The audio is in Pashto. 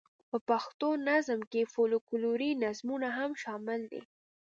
په پښتو نظم کې فوکلوري نظمونه هم شامل دي.